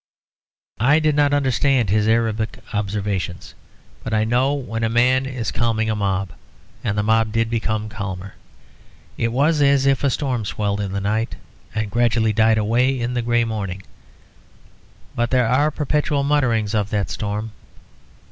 I did not understand his Arabic observations; but I know when a man is calming a mob, and the mob did become calmer. It was as if a storm swelled in the night and gradually died away in a grey morning; but there are perpetual mutterings of that storm.